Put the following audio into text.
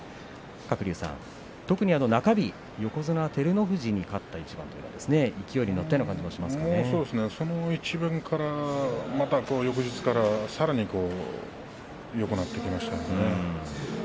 鶴竜さん、中日、横綱照ノ富士に勝った一番というのは勢いに乗ったようなその一番からまた、さらに翌日からよくなってきましたので。